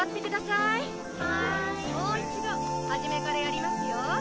もう一度はじめからやりますよ。